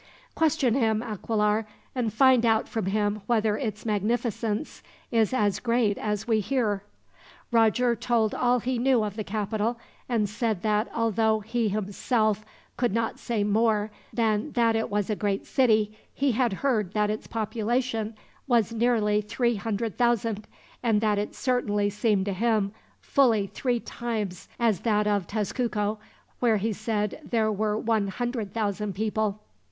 "Question him, Aquilar, and find out from him whether its magnificence is as great as we hear." Roger told all he knew of the capital, and said that, although he himself could not say more than that it was a great city, he had heard that its population was nearly three hundred thousand; and that it certainly seemed to him fully three times as large as that of Tezcuco, where he said there were one hundred thousand people.